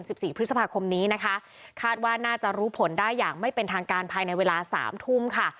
สิบสี่พฤษภาคมนี้นะคะคาดว่าน่าจะรู้ผลได้อย่างไม่เป็นทางการภายในเวลาสามทุ่มค่ะ